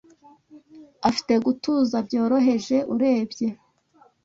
afite gutuza byoroheje Urebye